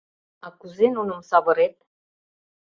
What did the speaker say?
— А кузе нуным савырет?